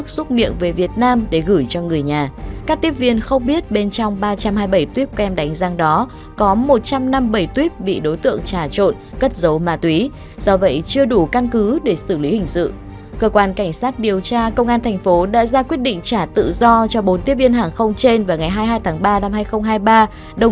xin chào và hẹn gặp lại trong các bản tin tiếp theo